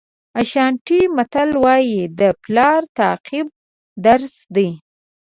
اشانټي متل وایي د پلار تعقیب درس دی.